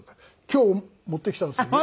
今日持ってきたんですけど。